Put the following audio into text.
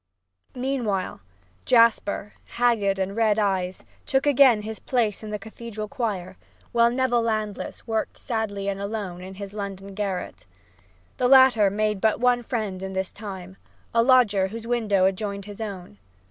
Meanwhile Jasper, haggard and red eyed, took again his place in the cathedral choir, while Neville Landless worked sadly and alone in his London garret. The latter made but one friend in this time a lodger whose window adjoined his own.